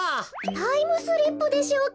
タイムスリップでしょうか？